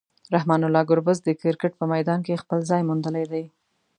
رحمان الله ګربز د کرکټ په میدان کې خپل ځای موندلی دی.